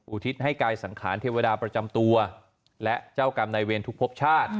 อุทิศให้กายสังขารเทวดาประจำตัวและเจ้ากรรมนายเวรทุกพบชาติ